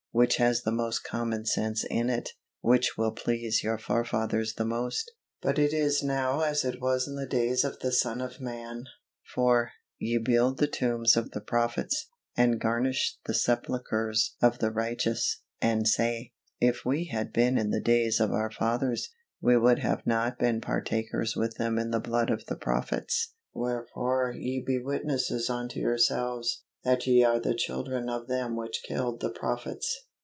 Which has the most common sense in it? Which will please your forefathers the most? But it is now as it was in the days of the Son of Man for, "ye build the tombs of the prophets, and garnish the sepulchres of the righteous, and say, 'If we had been in the days of our fathers, we would not have been partakers with them in the blood of the prophets.' Wherefore ye be witnesses unto yourselves, that ye are the children of them which killed the prophets."